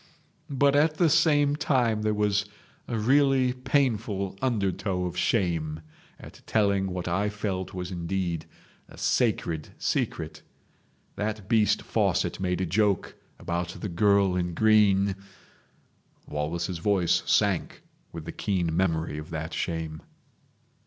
But at the same time there was a really painful undertow of shame at telling what I felt was indeed a sacred secret. That beast Fawcett made a joke about the girl in green—." Wallace's voice sank with the keen memory of that shame.